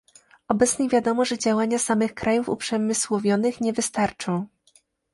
Obecnie wiadomo, że działania samych krajów uprzemysłowionych nie wystarczą